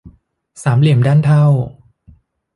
สามเหลี่ยมด้านเท่า